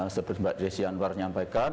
seperti mbak desi anwar menyampaikan